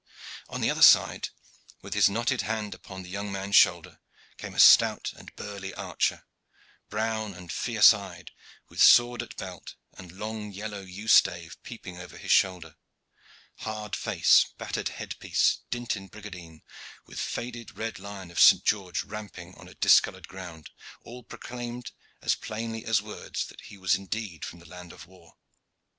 On the other side, with his knotted hand upon the young man's shoulder, came a stout and burly archer, brown and fierce eyed, with sword at belt and long yellow yew stave peeping over his shoulder. Hard face, battered head piece, dinted brigandine, with faded red lion of St. George ramping on a discolored ground, all proclaimed as plainly as words that he was indeed from the land of war.